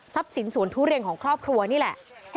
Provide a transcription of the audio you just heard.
สินสวนทุเรียนของครอบครัวนี่แหละ